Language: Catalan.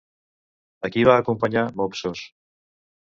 A qui va acompanyar Mopsos?